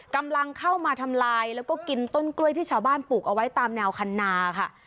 กำลังเข้ามาทำลายแล้วก็กินต้นกล้วยที่ชาวบ้านปลูกเอาไว้ตามแนวคันนาค่ะ